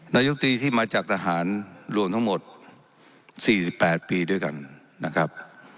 นายกตรีที่มาจากทหารรวมทั้งหมด๔๘ปีด้วยกันนะครับ